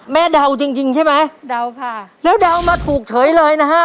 เดาจริงจริงใช่ไหมเดาค่ะแล้วเดามาถูกเฉยเลยนะฮะ